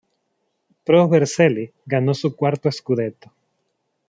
Pro Vercelli ganó su cuarto "scudetto".